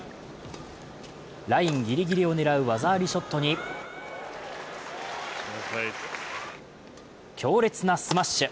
ラインギリギリを狙う技ありショットに強烈なスマッシュ。